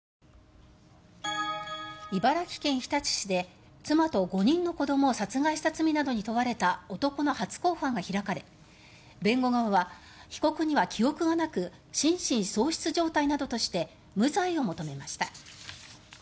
茨城県日立市で妻と５人の子どもを殺害した罪などに問われた男の初公判が開かれ弁護側は、被告には記憶がなく心神喪失状態などとして無罪を求めました。